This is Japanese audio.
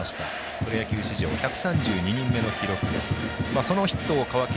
プロ野球史上１３２人目の記録です。